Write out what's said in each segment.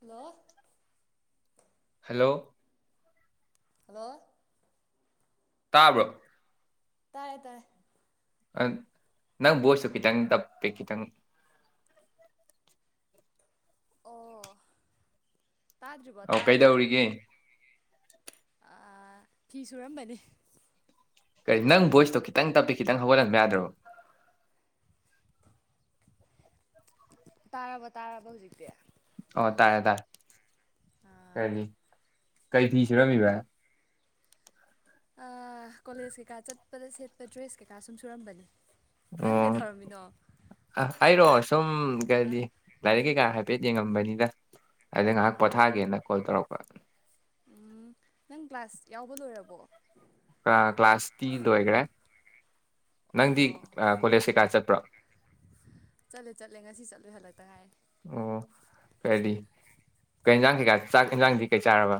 Hello hello hello ꯇꯥꯕ꯭ꯔꯣ ꯇꯥꯏꯔꯌꯦ ꯇꯥꯏꯦ ꯑ ꯅꯪ ꯕꯣꯏꯁꯨ ꯈꯤꯇꯪ ꯇꯞꯄꯤꯦ ꯈꯤꯇꯪ ꯑꯣ ꯑ ꯀꯩꯗꯧꯔꯤꯒꯦ ꯑ ꯐꯤ ꯁꯨꯔꯝꯕꯅꯤ ꯀꯔꯤ ꯅꯪ ꯚꯣꯏꯁꯇꯣ ꯈꯤꯇꯪ ꯇꯞꯄꯤ ꯈꯤꯇꯪ ꯍꯧꯒꯠꯂꯝꯕ ꯌꯥꯗ꯭ꯔꯣ ꯇꯥꯔꯕ ꯇꯥꯔꯕ ꯍꯧꯖꯤꯛꯇꯤ ꯑꯣ ꯇꯥꯥꯏꯦ ꯇꯥꯏꯦ ꯀꯩꯅꯤ ꯀꯩ ꯐꯤꯤꯁꯔꯃꯤꯕ ꯀꯣꯂꯦꯖ ꯀꯩꯀꯥ ꯆꯠꯄꯗ ꯁꯦꯠꯄ ꯗ꯭ꯔꯦꯁ ꯀꯩꯀꯥ ꯁꯨꯝ ꯁꯨꯔꯝꯕꯅꯤ ꯅꯪ ꯀꯩꯗꯧꯔꯝꯃꯤꯅꯣ ꯑꯣ ꯑꯩꯔꯣ ꯁꯨꯝ ꯑ ꯀꯗꯤ ꯂꯥꯏꯔꯤꯛ ꯀꯩꯀꯥ ꯍꯥꯏꯐꯦꯠ ꯌꯦꯡꯉꯝꯕꯅꯤꯗ ꯑꯗ ꯉꯥꯏꯍꯥꯛ ꯎꯝ ꯄꯣꯊꯥꯒꯦꯅ ꯀꯣꯜ ꯇꯧꯔꯛꯄ ꯎꯝ ꯅꯪ ꯀ꯭ꯂꯥꯁ ꯌꯥꯎꯕ ꯂꯣꯏꯔꯕꯣ ꯀ꯭ꯂꯥꯁ ꯇꯤ ꯂꯣꯏꯈ꯭ꯔꯦ ꯑꯣ ꯅꯪꯗꯤ ꯀꯣꯂꯦꯖ ꯀꯩꯀꯥ ꯆꯠꯄ꯭ꯔꯣ ꯆꯠꯂꯦ ꯆꯠꯂꯦ ꯉꯁꯤ ꯆꯠꯂꯦ ꯍꯜꯂꯛꯇ ꯉꯥꯏ ꯑꯣ ꯀꯩꯗꯤ ꯀ ꯌꯦꯟꯁꯥꯡ ꯀꯩꯀꯥ ꯆꯥꯛ ꯌꯦꯟꯁꯥꯡꯗꯤ ꯀꯩ ꯆꯥꯔꯕ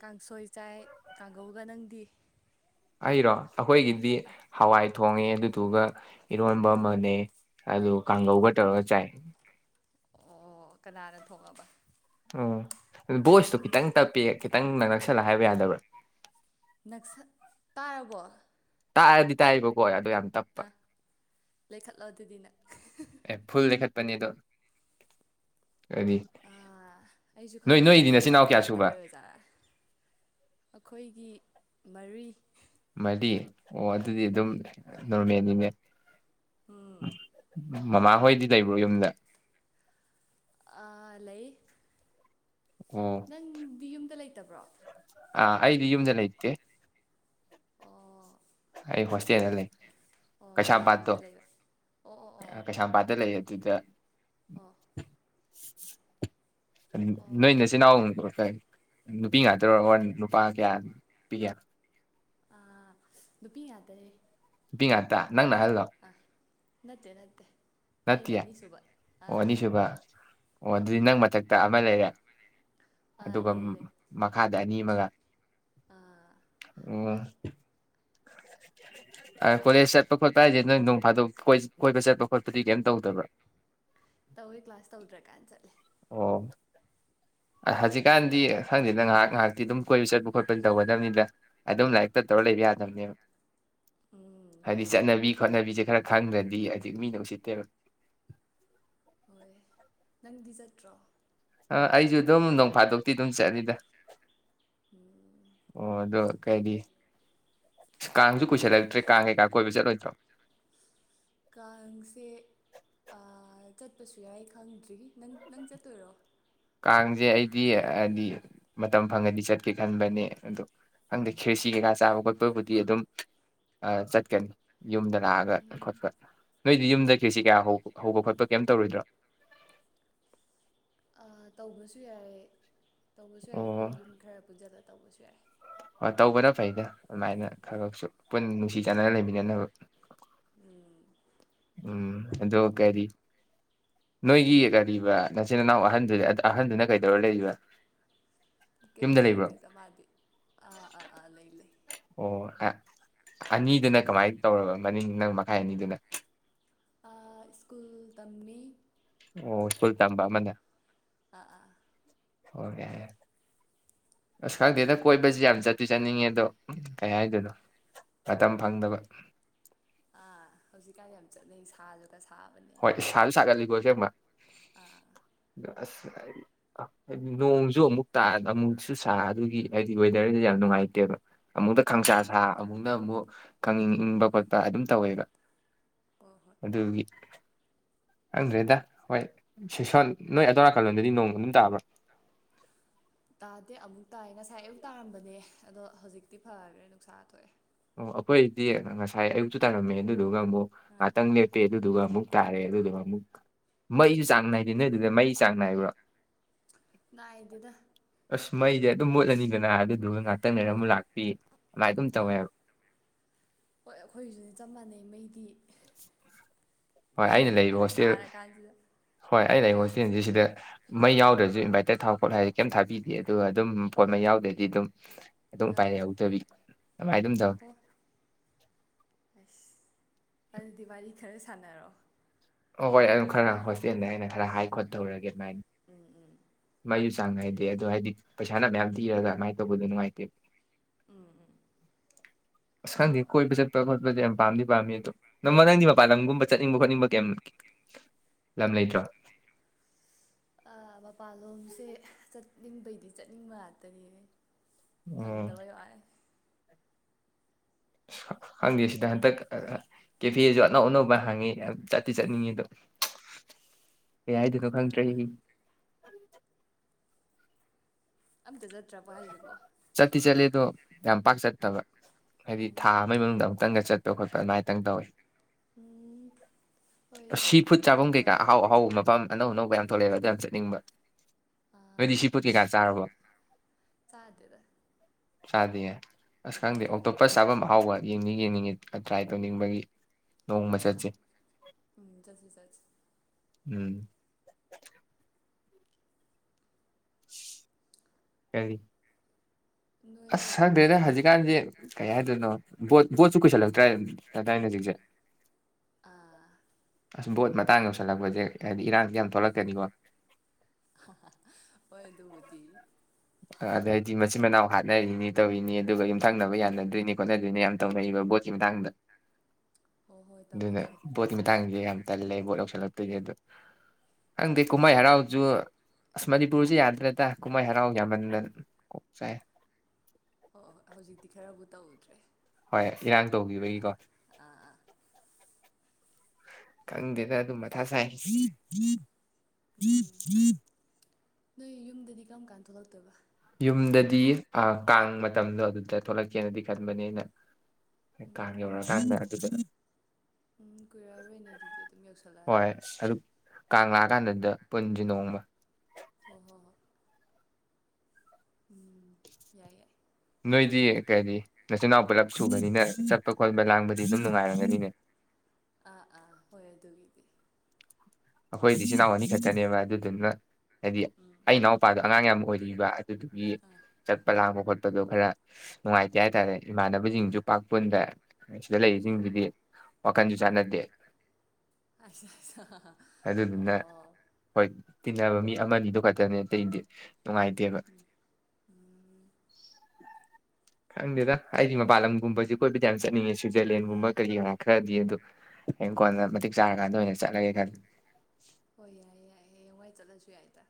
ꯀꯥꯡꯁꯣꯏ ꯆꯥꯏ ꯀꯥꯡꯒꯧꯒ ꯅꯪꯗꯤ ꯑꯩꯔꯣ ꯑꯩꯈꯣꯏꯒꯤꯗꯤ ꯍꯋꯥꯏ ꯊꯣꯡꯉꯦ ꯑꯗꯨꯗꯨꯒ ꯏꯔꯣꯟꯕ ꯑꯃꯅꯦ ꯑꯗꯨ ꯀꯥꯡꯒꯧꯕꯒ ꯇꯧꯔꯒ ꯆꯥꯏ ꯑꯣ ꯀꯅꯥꯅ ꯊꯣꯛꯑꯕ ꯑꯣ ꯚꯣꯏꯁꯇꯣ ꯈꯤꯇꯪ ꯇꯞꯄꯤꯦ ꯈꯤꯇꯪꯅ ꯅꯛꯁꯜꯂꯒ ꯍꯥꯏꯕ ꯌꯥꯗꯕ꯭ꯔꯥ ꯅꯛꯁꯛ ꯇꯥꯔꯕꯣ ꯇꯥꯏꯑꯗꯤ ꯇꯥꯏꯕ ꯀꯣ ꯑꯗꯨꯗꯤ ꯌꯥꯝ ꯇ ꯐ ꯑ ꯂꯩꯈꯠꯂꯣ ꯑꯗꯨꯗꯤ ꯅꯪ ꯄꯅꯤꯗ ꯑꯩꯁꯨ ꯈꯪꯗꯦꯅꯦ ꯅꯣꯏꯗꯤ ꯅꯆꯤꯟ ꯅꯦꯠꯋꯥꯛ ꯏꯅꯥꯎ ꯀꯌꯥ ꯁꯨꯕ ꯅꯨꯡꯉꯥꯏꯇꯕꯩ ꯑꯣꯏꯖꯥꯔꯥ ꯑꯩꯈꯣꯏꯒꯤ ꯃꯔꯤ ꯃꯗꯤ ꯑꯣ ꯑꯗꯨꯗꯤ ꯑꯗꯨꯝ ꯅꯣꯔꯃꯦꯜꯂꯤꯅꯦ ꯎꯝ ꯃꯃꯥ ꯍꯣꯏꯗꯤ ꯂꯩꯕ꯭ꯔꯣ ꯌꯨꯝꯗ ꯑꯥ ꯂꯩ ꯑꯣ ꯅꯪ ꯌꯨꯝꯗ ꯂꯩ ꯐꯠꯇꯕ꯭ꯔꯣ ꯑꯥ ꯑꯩꯗꯤ ꯌꯨꯝꯗꯥ ꯅꯩꯇꯦ ꯑꯣ ꯑꯩ ꯍꯣꯁꯇꯦꯜꯗ ꯂꯩ ꯑꯣ ꯀꯔꯤꯗ ꯀꯩꯁꯥꯝꯄꯥꯠꯇꯣ ꯂꯝꯗ ꯂꯩꯕ ꯑꯣ ꯑꯣ ꯑꯣ ꯗ [unintelligible] ꯑꯣ ꯎꯝ [unintelligible] ꯅꯣꯏ ꯑꯣ ꯅꯆꯤꯜ ꯏꯅꯥꯎ ꯅꯨꯄꯤ ꯉꯥꯛꯇꯔ ꯑꯣꯔ ꯅꯨꯄꯥ ꯀꯌꯥ ꯅꯨꯄꯤ ꯀꯌꯥ ꯑꯥ ꯅꯨꯄꯤ ꯉꯥꯛꯇꯥꯅꯤ ꯄꯕꯤ ꯉꯇꯥ [unintelligible] ꯅꯪꯅ ꯑꯍꯜꯂꯣ ꯅꯠꯇꯦ ꯅꯠꯇꯦ ꯅꯠꯇꯦ ꯑꯩꯅ ꯑꯣ ꯑꯅꯤꯁꯨꯕ ꯑꯥ ꯑꯅꯤꯁꯨꯕ ꯑꯣ ꯑꯗꯨꯗꯤ ꯅꯪ ꯃꯊꯛꯇ ꯑꯃ ꯂꯩꯔꯦ ꯑꯥ ꯑꯗꯨꯒ ꯂꯩ ꯂꯩ ꯃꯈꯥꯗ ꯑꯅꯤ ꯒ [unintelligible] ꯑꯥ ꯑꯥ ꯑꯣ ꯀꯣꯜꯂꯦꯖ ꯆꯠꯄ ꯈꯣꯠꯄ ꯍꯥꯏꯁꯦ ꯅꯪ ꯅꯣꯡ ꯐꯥꯗꯣꯛ ꯀꯣꯏ ꯀꯣꯏꯕꯥ ꯆꯠꯄ ꯐꯗꯤ ꯀꯩꯝ ꯇꯧꯗꯕ꯭ꯔꯥ ꯇꯧꯋꯦ ꯀ꯭ꯂꯥꯁ ꯇꯧꯗ꯭ꯔ ꯀꯥꯟꯅ ꯆꯠꯂꯦ ꯑꯣ ꯍꯧꯖꯤꯛꯀꯥꯟꯗꯤ ꯈꯪꯗꯦꯗ ꯉꯥꯏꯍꯥꯛ ꯉꯥꯏꯍꯥꯛꯇꯤ ꯑꯗꯨꯝ ꯀꯣꯏꯕ ꯆꯠꯄ ꯈꯣꯠꯄꯗꯤ ꯇꯧꯒꯗꯕꯅꯤꯅ ꯑꯗꯨꯝ ꯂꯥꯏꯔꯤꯛꯛꯇ ꯇꯧꯔ ꯂꯩꯕ ꯌꯥꯗꯕꯅꯦꯕ ꯎꯝ ꯍꯥꯏꯗꯤ ꯍꯣꯏ ꯆꯠꯅꯕꯤ ꯈꯣꯠꯅꯕꯤꯁꯦ ꯈꯔ ꯈꯪꯗ꯭ꯔꯗꯤ ꯍꯥꯏꯗꯤ ꯃꯤꯅ ꯎꯁꯤꯠ ꯇꯦꯕꯥ ꯍꯣꯏ ꯅꯪꯗꯤ ꯆꯠꯇ꯭ꯔꯣ ꯑ ꯑꯩꯁꯨ ꯑꯗꯨꯝ ꯅꯣꯡꯐꯥꯗꯣꯛꯇꯤ ꯑꯗꯨꯝ ꯆꯠꯂꯤꯗ ꯎꯝ ꯑꯣ ꯑꯗꯣ ꯐꯩ ꯀꯩꯗꯤ ꯐꯩ ꯀꯥꯡꯁꯨ ꯀꯨꯏꯁꯤꯜꯂꯛꯇ꯭ꯔꯦ ꯀꯥꯡ ꯀꯩꯀꯥ ꯀꯣꯏꯕ ꯆꯠꯂꯣꯏꯗ꯭ꯔꯣ ꯀꯥꯡꯁꯦ ꯆꯠꯄꯁꯨ ꯌꯥꯏ ꯈꯪꯗ꯭ꯔꯤ ꯅꯪ ꯅꯪ ꯆꯠꯇꯣꯏꯔꯣ ꯀꯥꯡꯁꯦ ꯑꯩꯗꯤ ꯍꯥꯏꯗꯤ ꯃꯇꯝ ꯐꯪꯉꯗꯤ ꯆꯠꯀꯦ ꯈꯟꯕꯅꯦ ꯑꯗꯣ ꯍꯪꯗꯦ ꯈꯦꯔꯁꯤ ꯀꯩꯀꯥ ꯆꯥꯕ ꯈꯣꯠꯄꯕꯨꯗꯤ ꯑꯗꯨꯝ ꯆꯠꯀꯅꯤ ꯌꯨꯝꯗ ꯂꯥꯛꯑꯒ ꯈꯣꯠꯄ ꯅꯣꯏꯗꯤ ꯌꯨꯝꯗꯩ ꯈꯦꯆꯤ ꯀꯌꯥ ꯍꯧꯕ ꯈꯣꯠꯄ ꯀꯩꯝ ꯇꯧꯔꯣꯏꯗ꯭ꯔꯥ ꯑ ꯇꯧꯕꯁꯨ ꯌꯥꯏꯌꯦ ꯇꯧꯕꯁꯨ ꯌꯥꯏ ꯑꯩꯈꯣꯏ ꯌꯨꯝ ꯈꯔ ꯄꯨꯟꯖꯜꯂꯒ ꯇꯧꯕꯁꯨ ꯌꯥꯏ ꯑ ꯇꯧꯕꯅ ꯐꯩꯗ ꯑꯗꯨꯃꯥꯏꯅ ꯈꯔ ꯎꯝ ꯈꯁꯨ ꯄꯨꯟꯅ ꯅꯨꯡꯁꯤ ꯆꯥꯟꯅ ꯂꯩꯃꯤꯅꯅꯕ ꯎꯝ ꯎꯝ ꯑꯗꯣ ꯀꯔꯤ ꯅꯣꯏꯒꯤ ꯀꯔꯤꯕ ꯅꯆꯤꯟ ꯅꯅꯥꯎ ꯑꯍꯟꯗꯨ ꯑꯍꯟꯗꯨꯅ ꯀꯩꯗꯧꯔ ꯂꯩꯔꯤꯕ ꯀꯦꯝ ꯌꯨꯝꯗ ꯂꯩꯕ꯭ꯔꯣ ꯇꯧꯗꯤ ꯇ ꯃꯥꯗꯤ ꯑꯥ ꯑꯥ ꯑꯥ ꯂꯩ ꯂꯩ ꯑꯣ ꯑꯅꯤꯗꯨꯅ ꯀꯃꯥꯏꯅ ꯇꯧꯔꯕ ꯃꯅꯤꯡ ꯅꯪ ꯃꯈꯥꯏ ꯑꯅꯤꯗꯨꯅ ꯁ꯭ꯀꯨꯜ ꯇꯝꯃꯤ ꯑꯣ ꯁꯨꯜꯇꯥꯥꯟꯕꯥ ꯑꯃꯅ ꯑꯥ ꯑꯥ ꯑꯣ ꯌꯥꯏ ꯑꯁ ꯈꯪꯗꯦꯗ ꯀꯣꯏꯕꯁꯤ ꯌꯥꯝ ꯆꯠꯇꯤ ꯆꯠꯅꯤꯡꯉꯦ ꯑꯗꯣ ꯀꯩ ꯍꯥꯏꯗꯣꯏꯅꯣ ꯃꯇꯝ ꯐꯪꯗꯕ ꯑꯥ ꯍꯧꯖꯤꯛꯀꯥꯟꯗꯤ ꯌꯥꯝ ꯆꯠꯅꯩ ꯁꯥꯗ ꯍꯣꯏ ꯁꯥꯁꯨ ꯁꯥꯒꯠꯂꯤꯀꯣ ꯁꯦꯝꯕ ꯑꯥ ꯑꯁ ꯍꯥꯏ ꯍꯥꯏꯗꯤ ꯅꯣꯡꯁꯨ ꯑꯃꯨꯛ ꯑꯃꯨꯛꯁꯨ ꯁꯥ ꯑꯗꯨꯒꯤ ꯍꯥꯏꯗꯤ ꯋꯦꯗꯔꯗꯤ ꯌꯥꯝ ꯅꯨꯡꯉꯥꯏꯇꯦꯕ ꯑꯃꯨꯛꯇ ꯈꯪꯁꯥ ꯑꯥ ꯁꯥ ꯑꯥ ꯑꯃꯨꯛꯅ ꯑꯃꯨꯛ ꯈꯪꯅꯤꯡ ꯏꯪꯕ ꯈꯣꯠꯄ ꯑꯗꯨꯝ ꯇꯧꯋꯦꯕ ꯍꯣꯏ ꯍꯣꯏ ꯑꯗꯨꯒꯤ ꯍꯪꯗ꯭ꯔꯦꯗ ꯍꯣꯏ ꯁꯤꯁꯣꯟ ꯅꯣꯏ ꯑꯗꯋꯥꯔꯀꯜꯂꯣꯟꯗꯗꯤ ꯅꯣꯡꯃ ꯑꯗꯨꯝ ꯇꯥꯕ꯭ꯔꯥ ꯇꯥꯗꯦ ꯑꯃꯨꯛ ꯇꯥꯏ ꯉꯁꯥꯏ ꯑꯌꯨꯛ ꯇꯥꯔꯝꯕꯅꯦ ꯑꯗꯣ ꯍꯧꯖꯤꯛꯇꯤ ꯐꯈ꯭ꯔꯦ ꯅꯨꯡꯁꯥ ꯊꯣꯛꯑꯦ ꯑꯣ ꯑꯩꯈꯣꯏꯗꯤ ꯉꯁꯥꯏ ꯑꯌꯨꯛꯇꯁꯨ ꯇꯥꯔꯝꯃꯦ ꯑꯗꯨ ꯗꯨꯒꯣ ꯑꯥ ꯑꯇꯪꯅꯤꯠꯇꯦꯗꯨꯗꯨꯒꯝ ꯑꯃꯨꯛ ꯇꯥꯔꯦ ꯑꯗꯨꯗꯨꯅ ꯑꯃꯨꯛ ꯃꯩꯁꯨ ꯆꯥꯡ ꯅꯥꯏꯗꯦ ꯅꯣꯏꯗꯨꯗ ꯃꯩ ꯆꯥꯡ ꯅꯥꯏꯕ꯭ꯔꯥ ꯉꯏꯗꯨꯗ ꯃꯩꯖ ꯑꯗꯨꯝ ꯃꯣꯠꯂꯅꯤꯗꯅ ꯑꯗꯨꯗꯨꯒ ꯉꯥꯛꯇꯪꯅꯔ ꯑꯥ ꯑꯃꯨꯛ ꯂꯥꯛꯄꯤ ꯑꯗꯨꯃꯥꯏꯅ ꯑꯗꯨꯝ ꯑꯥ ꯇꯧꯋꯦꯕ ꯍꯣꯏ ꯑꯩꯈꯣꯏꯁꯨꯗꯤ ꯆꯞ ꯃꯥꯟꯅꯩ ꯃꯩꯗꯤ ꯁꯤ ꯍꯣꯏ ꯑꯩꯅ ꯃꯩꯒꯤ ꯂꯩꯕ ꯋꯥꯗꯤ ꯍꯣꯁꯇꯦꯜ ꯁꯥꯔ ꯀꯥꯟꯁꯤꯗ ꯍꯣꯏ ꯑꯩꯅ ꯂꯩꯕ ꯑꯥ ꯍꯣꯁꯇꯦꯜꯁꯦ ꯁꯤꯗ ꯃꯩ ꯌꯥꯎꯗ꯭ꯔꯁꯨ ꯏꯟꯚꯥꯏꯇꯔ ꯊꯥꯎ ꯈꯣꯠꯂ ꯍꯥꯏꯗꯤꯦ ꯀꯩꯝ ꯊꯥꯕꯤꯗꯦ ꯑꯗꯨꯒ ꯑꯗꯨꯝ ꯐꯣꯟ ꯃꯩ ꯌꯥꯎꯗ꯭ꯔꯗꯤ ꯑꯗꯨꯝ ꯑꯗꯨꯝ ꯑꯥ ꯎꯄꯥꯏ ꯂꯩꯍꯧꯗꯕꯤ ꯑꯗꯨꯃꯥꯏ ꯑꯗꯨꯝ ꯑꯣ ꯇꯧꯋ ꯍꯣ ꯑꯁ ꯑꯗꯨꯗꯤ ꯋꯥꯔꯤ ꯈꯔ ꯁꯥꯟꯅꯔꯣꯑꯣ ꯑꯣ ꯍꯣꯏ ꯑꯗꯨꯝ ꯈꯔ ꯍꯣꯁꯇꯦꯜꯗ ꯑꯩꯅ ꯈꯔ ꯍꯥꯏ ꯈꯣꯠꯠꯇꯧꯔꯒꯦ ꯑꯗꯨꯃꯥꯏꯅ ꯎꯝ ꯎꯝ ꯃꯌꯨ ꯁꯥꯡꯅꯗꯤꯦ ꯑꯗꯨꯣ ꯍꯥꯏꯗꯤ ꯁꯥꯟꯅ ꯃꯌꯥꯝ ꯊꯤꯔꯒ ꯀꯃꯥꯏꯅ ꯇꯧꯕꯗꯣꯅꯨꯡꯉꯥꯏ ꯞ ꯑꯝ ꯑꯝ ꯑꯁꯥꯡꯗꯤ ꯀꯣꯏꯕ ꯆꯠꯄ ꯈꯣꯠꯄꯗꯤ ꯌꯥꯝ ꯄꯥꯝꯗꯤ ꯄꯥꯝꯃꯤ ꯑꯗꯣ ꯅꯪ ꯅꯪꯗꯤ ꯃꯄꯥꯟ ꯂꯝꯒꯨꯝꯕ ꯆꯠꯅꯤꯡꯕ ꯈꯣꯠꯅꯤꯡꯕ ꯀꯩꯝ ꯂꯝ ꯂꯩꯇ꯭ꯔꯣ ꯃꯄꯥꯟꯂꯣꯝꯁꯦ ꯆꯠꯅꯤꯡꯕꯩꯗꯤ ꯆꯠꯅꯤꯡꯕ ꯉꯥꯛꯇꯅꯤꯅꯦ ꯑꯣ ꯐꯪꯗꯕ ꯌꯥꯦ ꯈꯪꯗꯦ ꯁꯤꯗ ꯍꯟꯗꯛ ꯀꯦꯐꯦꯁꯨ ꯑꯅꯧ ꯑꯅꯧꯕ ꯍꯥꯡꯉꯤ ꯌꯥꯝ ꯆꯠꯇꯤ ꯆꯠꯅꯤꯡꯉꯤ ꯑꯗꯨꯝ ꯑꯦ ꯎꯝ ꯍꯥꯏꯗꯁꯨꯣ ꯈꯪꯗ꯭ꯔꯦ ꯀꯩꯗꯧꯔꯕ ꯑꯝꯗ ꯆ ꯆꯠꯇꯤ ꯆꯠꯂꯦꯗꯣ ꯌꯥꯝ ꯄꯥꯛ ꯆꯠꯇꯕ ꯍꯥꯏꯗꯤ ꯊꯥ ꯑꯃꯒꯤ ꯃꯅꯨꯡꯗ ꯑꯃꯨꯛꯇꯪꯒ ꯆꯠꯄ ꯈꯣꯠꯄ ꯑꯗꯨꯃꯥꯏꯅ ꯈꯤꯪ ꯇꯧꯋꯤ ꯎꯝ ꯍꯣꯏꯗ ꯁꯤ ꯐꯨꯠ ꯆꯥꯐꯝ ꯀꯌꯥꯝ ꯀꯩꯀꯥ ꯑꯍꯥꯎ ꯆꯠꯂꯨꯅꯤ ꯑꯍꯥꯎꯕ ꯃꯐꯝ ꯑꯅꯧ ꯑꯅꯧꯕ ꯌꯥꯝ ꯊꯣꯂꯦꯕꯖꯟꯁꯦꯅꯤꯡꯕ ꯑꯗꯨꯗꯤ ꯑꯥ ꯁꯤ ꯄꯣꯠ ꯀꯩꯀꯥ ꯆꯥꯔꯕ꯫ ꯆꯥꯗꯦꯗ꯫ ꯆꯥꯗꯤꯌꯦ꯫ ꯑꯁ ꯈꯪꯗꯦ ꯑꯥ ꯑꯣꯛꯇꯣꯄꯁ ꯆꯥꯐꯝ ꯑꯥꯍꯥꯎꯕ ꯌꯦꯡꯗꯤ ꯌꯦꯡꯅꯤꯡꯉꯤ꯫ ꯇ꯭ꯔꯥꯏ ꯇꯧꯅꯤꯡꯕꯒꯤ꯫ ꯅꯣꯡꯃ ꯎꯝ ꯆꯠꯁꯦ꯫ ꯎꯝ ꯆꯠꯁꯤ ꯆꯠꯁꯤ ꯎꯝ꯫ ꯀꯔꯤ ꯅꯣꯏ ꯑꯁ ꯈꯪꯗꯦꯗ ꯍꯧꯖꯤꯛꯀꯥꯟꯖꯦ ꯀꯩ ꯍꯥꯏꯗꯣꯏꯅꯣ ꯕꯣꯠ ꯕꯣꯠꯁꯨ ꯀꯨꯏꯁꯜꯂꯛꯇ꯭ꯔꯥ ꯇꯗꯥꯏꯅꯦ ꯍꯧꯖꯤꯛꯁꯦ꯫ ꯑꯥ [unintelligible] ꯕꯣꯠ ꯃꯇꯥꯡ ꯌꯧꯁꯤꯜꯂꯛꯄꯖꯦ ꯍꯥꯏꯗꯤ ꯏꯔꯥꯡꯖꯦ ꯌꯥꯝ ꯊꯣꯛꯂꯛꯀꯅꯤꯀꯣ꯫ ꯍꯥ ꯍꯥ ꯍꯣꯏ ꯑꯗꯨꯕꯨꯗꯤ꯫ ꯑ ꯑꯗꯩꯗꯤ ꯃꯆꯤꯟ ꯃꯅꯥꯎ ꯍꯥꯠ ꯈꯣꯠꯅꯔꯤꯅꯤ ꯇꯧꯔꯤꯅꯤ ꯑꯗꯨꯒ ꯌꯨꯝꯊꯪꯅꯕ ꯌꯥꯅꯗꯣꯏꯅꯤ ꯈꯣꯠꯅꯗꯣꯏꯅꯤ ꯌꯥꯝ ꯇꯧꯅꯩꯕ ꯕꯣꯠꯀꯤ ꯃꯇꯥꯡꯗ꯫ ꯍꯣꯏ ꯍꯣꯏ ꯇꯧꯋꯤ ꯑꯗꯨꯅ ꯇꯧꯋꯤ ꯕꯣꯠꯀꯤ ꯃꯇꯥꯡꯖꯦ ꯌꯥꯝ ꯇꯜꯂꯦ ꯕꯣꯠ ꯌꯧꯁꯤꯜꯂꯛ ꯑꯗꯨꯅꯤ ꯑꯗꯨ ꯈꯪꯗꯦ ꯀꯨꯝꯍꯩ ꯍꯔꯥꯎꯖꯨ ꯑꯁ ꯃꯅꯤꯄꯨꯔꯖꯦ ꯌꯥꯗ꯭ꯔꯦꯗ ꯀꯨꯝꯍꯩ ꯍꯔꯥꯎ ꯌꯥꯝꯃꯟꯗꯅ ꯀꯣꯛꯆꯥꯛꯑꯦ꯫ ꯑꯣ ꯍꯣꯏ ꯍꯧꯖꯤꯛꯇꯤ ꯈꯔꯕꯨ ꯇꯧꯗ꯭ꯔꯦ꯫ ꯍꯣꯏ ꯏꯔꯥꯡ ꯇꯧꯒꯤꯕꯒꯤꯀꯣ꯫ ꯑꯥ ꯑꯥ ꯀꯪꯗꯦꯗ ꯑꯗꯨꯝ ꯃꯊꯥ ꯁꯥꯏ꯫ ꯎꯝ [unintelligible] ꯅꯣꯏ ꯌꯨꯝꯗꯗꯤ ꯀꯔꯝ ꯀꯥꯟ ꯊꯣꯛꯂꯛꯇꯣꯏꯕ꯫ ꯌꯨꯝꯗꯗꯤ ꯑ ꯀꯥꯡ ꯃꯇꯝꯗꯣ ꯑꯗꯨꯗ ꯊꯣꯛꯂꯛꯀꯦꯅꯗꯤ ꯈꯟꯕꯅꯦ ꯑꯩꯅ꯫ ꯀꯥꯡ ꯎꯝ ꯌꯧꯔꯛꯑꯀꯥꯟꯗ ꯑꯗꯨꯗ ꯎꯝ ꯀꯨꯏꯔꯛꯑꯔꯣꯏꯅꯦ ꯑꯗꯨꯗꯤ ꯑꯗꯨꯝ ꯌꯧꯁꯜꯂꯛꯑꯅꯤ ꯍꯣꯏ ꯑꯗꯨ ꯀꯥꯡ ꯂꯥꯛꯑꯀꯥꯟꯗꯨꯗ ꯄꯨꯟꯖꯤ ꯅꯣꯡꯃ꯫ ꯍꯣ ꯍꯣ ꯍꯣꯏ ꯎꯝ ꯌꯥꯏ ꯌꯥꯏ ꯅꯣꯏꯗꯤ ꯀꯔꯤ ꯅꯆꯤꯟꯅꯥꯎ ꯄꯨꯂꯞ ꯁꯨꯕꯅꯤꯅ ꯆꯠꯄ ꯈꯣꯠꯄ ꯂꯥꯡꯕꯗꯤ ꯑꯗꯨꯝ ꯅꯨꯡꯉꯥꯏꯔꯝꯒꯅꯤꯅꯦ꯫ ꯑꯥ ꯑꯥ ꯍꯣꯏ ꯑꯗꯨꯒꯤꯗꯤ꯫ ꯑꯩꯈꯣꯏꯗꯤ ꯏꯆꯤꯟ ꯏꯅꯥꯎ ꯑꯅꯤ ꯈꯛꯇꯅꯦꯕ ꯑꯗꯨꯗꯨꯅ ꯍꯥꯏꯗꯤ ꯎꯝ ꯑꯩ ꯏꯅꯥꯎꯄꯥꯗꯣ ꯑꯉꯥꯡ ꯌꯥꯝ ꯑꯣꯏ꯫ ꯂꯤꯕ ꯑꯗꯨꯗꯨꯒꯤ ꯑꯥ ꯆꯠꯄ ꯂꯥꯡꯕ ꯈꯣꯠꯄꯗꯣ ꯈꯔ ꯅꯨꯡꯉꯥꯏꯇꯦ ꯑꯥ ꯍꯥꯏꯇꯥꯔꯦ ꯏꯃꯥꯟꯅꯕꯁꯤꯡꯖꯨ ꯄꯥꯛ ꯄꯟꯗ꯫ ꯁꯤꯗ ꯑꯣ ꯂꯩꯖꯤꯡꯖꯤꯗꯤ ꯑꯣ ꯋꯥꯈꯟꯖꯨ ꯑꯥ ꯆꯥꯟꯅꯗꯦ꯫ ꯑꯩꯁ ꯑꯩꯁ ꯑꯗꯨꯗꯨꯅ ꯑꯣ ꯍꯣꯏ ꯇꯤꯟꯅꯕ ꯃꯤ ꯑꯃꯅꯤꯗꯨ ꯈꯛꯇꯅꯦ ꯑꯇꯩꯗꯤ ꯅꯨꯡꯉꯥꯏꯇꯦꯕ꯫ ꯎꯝ ꯈꯪꯗꯦꯗ ꯑꯩꯗꯤ ꯃꯄꯥꯟ ꯂꯝꯒꯨꯝꯕꯖꯤ ꯀꯣꯏꯕꯗꯤ ꯌꯥꯝ ꯆꯠꯅꯤꯡꯉꯦ ꯁꯨꯏꯖꯔꯂꯦꯟꯒꯨꯝꯕ ꯀꯔꯤ ꯀꯔꯥ ꯈꯔꯗꯤ ꯑꯗꯣ ꯍꯌꯦꯡ ꯀꯣꯟꯅ ꯎꯝ ꯃꯇꯤꯛ ꯆꯥꯔꯀꯥꯟꯗ ꯑꯣꯏꯅ ꯆꯠꯂꯒꯦ ꯈꯜꯂꯦ꯫ ꯍꯣꯏ ꯌꯥꯏꯑꯌꯦ ꯌꯥꯏꯌꯦ ꯍꯌꯦꯡꯋꯥꯏ ꯆꯠꯂꯁꯨ ꯌꯥꯏꯗ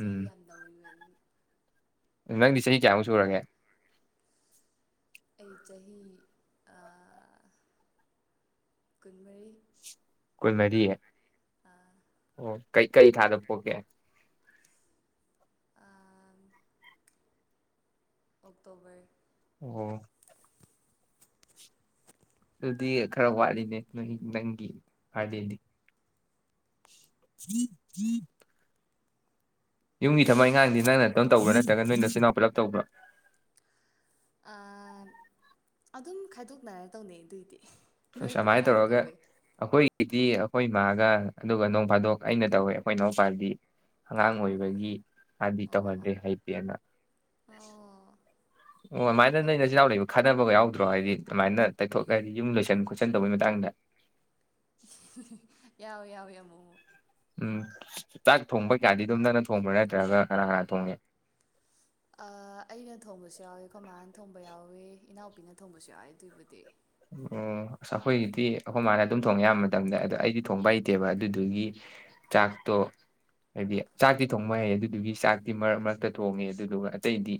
ꯆꯍꯤ ꯌꯥꯝ ꯅꯧꯔꯤꯕꯅꯤ ꯅꯪꯗꯤ ꯆꯍꯤ ꯀꯌꯥꯃꯨꯛ ꯁꯨꯔꯒꯦ ꯑꯩ ꯆꯍꯤ ꯑꯥ ꯀꯨꯟꯃꯔꯤ ꯀꯨꯟꯃꯔꯤ ꯑꯥ ꯑꯣ ꯀꯩ ꯀꯩ ꯊꯥꯗ ꯄꯣꯛꯀꯦ ꯑꯥ ꯑꯣꯛꯛꯇꯣꯕꯔ ꯑꯣ ꯑꯗꯨꯗꯤ ꯈꯔ ꯋꯥꯠꯂꯤꯅꯦ ꯅ ꯅꯪꯒꯤ ꯕꯥꯔꯗꯦꯗꯤ ꯌꯨꯝꯒꯤ ꯊꯕꯛ ꯏꯪꯈꯥꯡꯗꯤ ꯅꯪ ꯅꯇꯣꯝ ꯇꯧꯕ꯭ꯔꯥ ꯅꯠꯇ꯭ꯔꯒ ꯅꯣꯏ ꯅꯆꯤꯜ ꯅꯅꯥꯎ ꯄꯨꯂꯞ ꯇꯧꯕ꯭ꯔꯥ ꯑꯗꯨꯝ ꯈꯥꯏꯗꯣꯛꯅꯔ ꯇꯧꯅꯩ ꯑꯗꯨꯏꯗꯤ ꯅꯣꯏꯗꯤ ꯑꯃꯥꯏꯅ ꯀꯅꯥꯅ ꯇꯧꯔꯒ ꯇꯧꯒꯦ ꯑꯩꯈꯣꯏꯒꯤꯗꯤ ꯑꯩꯈꯣꯏ ꯏꯃꯥꯒ ꯑꯗꯨꯒ ꯅꯣꯡ ꯐꯥꯗꯣꯛ ꯑꯩꯅ ꯇꯧꯋꯦ ꯑꯩꯈꯣꯏ ꯏꯅꯥꯎꯄꯥꯗꯤ ꯑꯉꯥꯡ ꯑꯣꯏꯕꯒꯤ ꯃꯥꯗꯤ ꯑꯣ ꯑꯣ ꯇꯧꯍꯟꯗ꯭ꯔꯦ ꯍꯩꯇꯦ ꯅ ꯑꯣ ꯑꯣ ꯑꯣ ꯑꯗꯨꯃꯥꯏꯅ ꯅꯣꯏ ꯏꯆꯤꯜ ꯏꯅꯥꯎ ꯂꯩꯕ ꯈꯠꯅꯕꯒ ꯌꯥꯎꯗ꯭ꯔꯣ ꯍꯥꯏꯗꯤ ꯑꯗꯨꯃꯥꯏꯅ ꯇꯩꯊꯣꯛ ꯍꯥꯏꯗꯤ ꯌꯨꯝ ꯂꯣꯏꯁꯟ ꯈꯣꯠꯆꯟ ꯇꯧꯕꯒꯤ ꯃꯇꯥꯡꯗ ꯌꯥꯎ ꯌꯥꯎꯏ ꯑꯃꯨꯛ ꯃꯨꯛ ꯎꯝ ꯆꯥꯛ ꯊꯣꯡꯕ ꯀꯌꯥꯗꯤ ꯑꯗꯨꯝ ꯅꯪꯅ ꯊꯣꯡꯕ꯭ꯔꯥ ꯅꯠꯇ꯭ꯔꯒ ꯀꯅꯥ ꯀꯅꯥ ꯊꯣꯡꯒꯦ ꯑ ꯑꯩꯅ ꯊꯣꯡꯕꯁꯨ ꯌꯥꯎꯏ ꯑꯩꯈꯣꯏ ꯃꯥꯅ ꯊꯣꯡꯕ ꯌꯥꯎꯢ ꯏꯅꯥꯎꯄꯤꯅ ꯊꯣꯡꯕꯁꯨ ꯌꯥꯎꯏ ꯑꯗꯨꯕꯨꯗꯤ ꯑꯣ ꯑꯈꯣꯏꯒꯤꯗꯤ ꯑꯩꯈꯣꯏ ꯃꯅꯥ ꯑꯗꯨꯝ ꯊꯣꯡꯉꯦ ꯑꯌꯥꯝꯕ ꯃꯇꯝꯗ ꯑꯗꯣ ꯑꯩꯗꯤ ꯊꯣꯡꯕ ꯍꯩꯇꯦꯕ ꯑꯗꯨꯗꯨꯒꯤ ꯆꯥꯛꯇꯣ ꯍꯥꯏꯗꯤ ꯆꯥꯛꯇꯤ ꯊꯣꯡꯕ ꯍꯩ ꯑꯗꯨꯗꯨꯒꯤ ꯆꯥꯛꯇꯤ ꯃꯔꯛ ꯃꯔꯛꯇ ꯊꯣꯡꯉꯦ ꯑꯗꯨꯗꯨꯒ ꯑꯇꯩꯗꯤ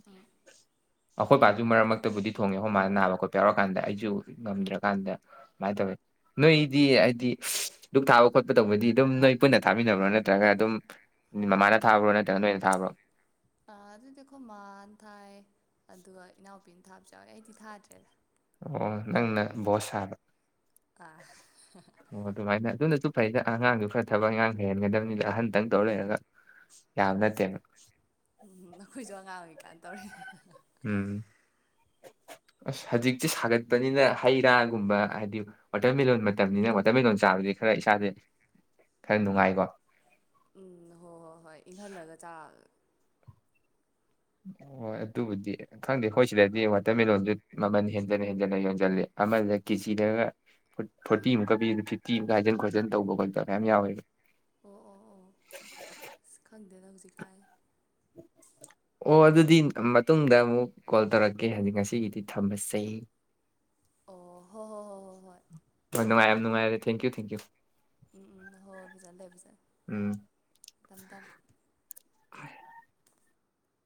ꯑꯩꯈꯣꯏ ꯕꯥꯁꯨ ꯃꯔꯛ ꯃꯔꯛꯇꯕꯨꯗꯤ ꯊꯣꯡꯉꯦ ꯑꯩꯈꯣꯏ ꯃꯥꯅ ꯅꯥꯕ ꯈꯣꯠꯄ ꯌꯥꯎꯔꯀꯥꯟꯗ ꯑꯩꯁꯨ ꯉꯝꯗ꯭ꯔꯀꯥꯟꯗ ꯁꯨꯃꯥꯏꯅ ꯇꯧꯋꯤ ꯅꯣꯏꯗꯤ ꯍꯥꯏꯗꯤ ꯗꯨꯛ ꯊꯥꯕ ꯈꯣꯠꯄ ꯇꯧꯕꯗꯤ ꯑꯗꯨꯝ ꯅꯣꯏ ꯄꯨꯟꯅ ꯊꯥꯃꯤꯟꯅꯕ꯭ꯔꯣ ꯅꯠꯇ꯭ꯔꯒ ꯑꯗꯨꯝ ꯃꯃꯥꯅ ꯊꯥꯕ꯭ꯔꯣ ꯅꯠꯇ꯭ꯔꯒ ꯅꯣꯏꯅ ꯊꯥꯕ꯭ꯔꯣ ꯑꯥ ꯑꯗꯨꯗꯤ ꯑꯩꯈꯣꯏ ꯃꯥꯅ ꯊꯥꯏ ꯑꯗꯨꯒ ꯏꯅꯥꯎꯄꯤꯅ ꯊꯥꯕꯁꯨ ꯌꯥꯎꯋꯦ ꯑꯩꯗꯤ ꯊꯥꯗ꯭ꯔꯦꯗ ꯑꯣ ꯅꯪꯅ ꯕꯣꯁ ꯁꯥꯕ ꯑꯥ ꯑꯣ ꯑꯗꯨꯃꯥꯏꯅ ꯑꯗꯨꯅ ꯑꯗꯨꯝ ꯐꯩꯗ ꯑꯉꯥꯡꯗꯨ ꯈꯔ ꯊꯕꯛ ꯑꯉꯥꯡ ꯍꯩꯍꯟꯒꯗꯕꯅꯤꯗ ꯑꯍꯟꯇꯪ ꯇꯧ ꯂꯩꯔꯒ ꯌꯥꯕ ꯅꯠꯇꯦꯕ ꯎꯝ ꯅꯈꯣꯏꯁꯨ ꯑꯉꯥꯡ ꯑꯣꯏꯔꯤꯀꯥꯟ ꯇꯧꯔꯛꯏ ꯎꯝ ꯑꯁ ꯍꯧꯖꯤꯛꯇꯤ ꯁꯥꯒꯠꯄꯅꯤꯅ ꯍꯩ ꯔꯥꯒꯨꯝꯕ ꯍꯥꯏꯗꯤ ꯋꯥꯇꯔꯃꯦꯂꯣꯟ ꯃꯇꯝꯅꯤꯅ ꯋꯥꯇꯔꯃꯦꯂꯂꯣꯟ ꯆꯥꯕꯗꯤ ꯈꯔ ꯏꯁꯥꯗꯦ ꯈꯔ ꯅꯨꯡꯉꯥꯏꯀꯣ ꯎꯝ ꯍꯣꯏ ꯍꯣꯏ ꯍꯣꯏ ꯏꯪꯍꯜꯂꯒ ꯆꯥ ꯍ ꯑꯗꯨꯕꯨꯗꯤ ꯈꯪꯗꯦ ꯑꯩꯈꯣꯏ ꯁꯤꯗꯗꯤ ꯋꯥꯇꯔ ꯃꯤꯂꯂꯣꯟꯗꯨ ꯃꯃꯜ ꯍꯦꯟꯖꯟ ꯍꯦꯟꯖꯟꯅ ꯌꯣꯟꯁꯤꯜꯂꯤ ꯑꯃꯗ ꯀꯦꯖꯤꯗꯒ ꯐꯣꯔꯇꯤ ꯃꯨꯛꯀ ꯄꯤꯕꯗꯨ ꯐꯤꯞ ꯇꯤꯝ ꯀꯥꯏꯖꯟ ꯈꯣꯠꯆꯟ ꯇꯧꯕ ꯈꯣꯠꯇꯕ ꯃ ꯌꯥꯝ ꯌꯥꯎꯋꯦꯕ ꯑꯣ ꯑꯣ ꯑꯣ ꯑꯁ ꯈꯪꯗꯦꯗ ꯍꯧꯖꯤꯛꯀꯥꯟ ꯑꯣ ꯑꯗꯨꯗꯤ ꯃꯇꯨꯡꯗ ꯑꯃꯨꯛ ꯀꯣꯜ ꯇꯧꯔꯛꯀꯦ ꯍꯥꯏꯖꯤꯛ ꯉꯁꯤꯒꯤꯗꯤ ꯊꯝꯃꯁꯦ ꯑꯣ ꯍꯣ ꯍꯣ ꯍꯣꯏ ꯍꯣꯏ ꯍꯣꯏ ꯅꯨꯡꯥꯏ ꯌꯥꯝ ꯅꯨꯡꯉꯔꯦ ꯊꯦꯡꯀꯌ꯭ꯨ ꯊꯦꯡꯀꯌ꯭ꯨ ꯎꯝ ꯎꯝ ꯍꯣꯏ ꯍꯣꯏ ꯐꯖꯅ ꯂꯩꯎ ꯎꯝ ꯐꯖꯅ ꯊꯝꯃꯨ ꯊꯝ [inaudible]